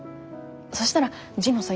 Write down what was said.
そしたら神野さん